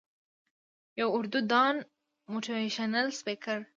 يو اردو دان موټيوېشنل سپيکر